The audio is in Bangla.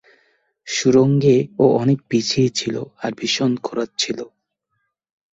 সুড়ঙ্গে ও অনেক পিছিয়ে ছিল, আর ভীষণ খোঁড়াচ্ছিল।